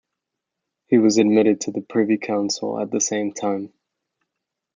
He was admitted to the Privy Council at the same time.